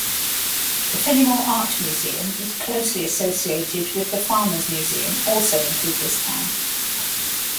The Fenimore Art Museum is closely associated with The Farmers' Museum, also in Cooperstown.